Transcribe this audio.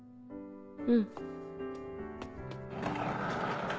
うん。